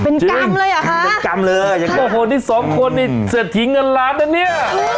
เป็นกรรมเลยหรอฮะเป็นกรรมเลยโอ้โหที่สองคนเนี่ยเสียทีเงินล้านแล้วเนี่ย